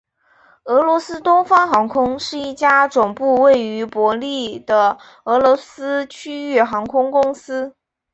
俄罗斯东方航空是一家总部位于伯力的俄罗斯区域航空公司。